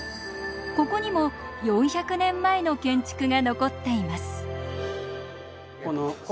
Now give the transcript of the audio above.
ここにも４００年前の建築が残っています。